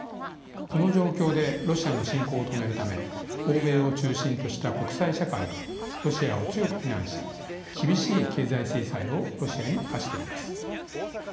この状況でロシアの侵攻を止めるため欧米を中心とした国際社会はロシアを強く非難し厳しい経済制裁をロシアに科しています。